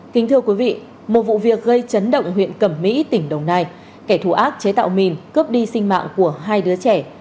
kính thưa quý vị một vụ việc gây chấn động huyện cẩm mỹ tỉnh đồng nai kẻ thù ác chế tạo mìn cướp đi sinh mạng của hai đứa trẻ